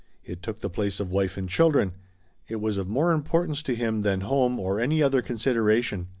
It took the place of wife and children; it was of more importance to him than home or any other consideration.